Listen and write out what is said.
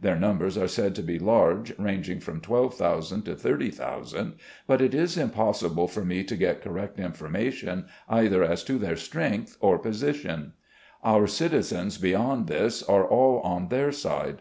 Their numbers are said to be large, ranging from 12,000 to 30,000, but it is impossible for me to get correct information either as to their strength or position. Om citizens beyond this are all on their side.